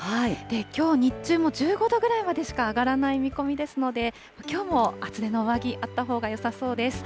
きょう日中も１５度ぐらいまでしか上がらない見込みですので、きょうも厚手の上着、あったほうがよさそうです。